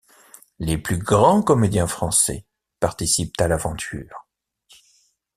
Les plus grands comédiens français participent à l'aventure.